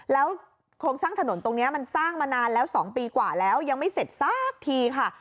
แล้วโครงสร้างถนนตรงนี้มันสร้างมานานแล้ว๒ปีกว่าแล้วยังไม่เสร็จสักทีค่ะ